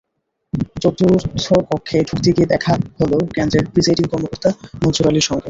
চতুর্থ কক্ষে ঢুকতে গিয়ে দেখা হলো কেন্দ্রের প্রিসাইডিং কর্মকর্তা মনসুর আলীর সঙ্গে।